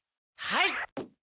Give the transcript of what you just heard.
はい！